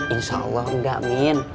insya allah enggak min